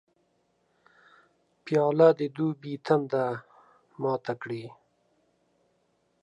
پیاله د دوبي تنده ماته کړي.